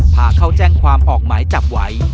พาเข้าแจ้งความออกหมายจับไว้